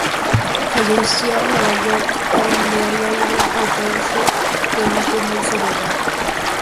Falleció en Nueva York, adonde había ido a operarse de un tumor cerebral.